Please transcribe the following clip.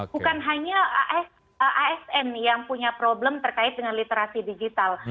bukan hanya asn yang punya problem terkait dengan literasi digital